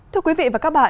thưa quý vị và các bạn